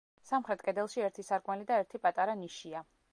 სამხრეთ კედელში ერთი სარკმელი და ერთი პატარა ნიშია.